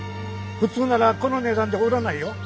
普通ならこの値段で売らないよ。